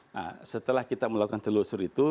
nah setelah kita melakukan telusur itu